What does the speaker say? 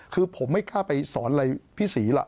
คือผมไม่กล้าไปสอนอะไรพี่ศรีล่ะ